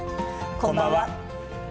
こんばんは。